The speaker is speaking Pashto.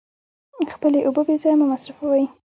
خپلې اوبه بې ځایه مه مصرفوئ.